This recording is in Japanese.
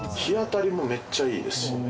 日当たりもめっちゃいいですし。